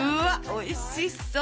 おいしそう！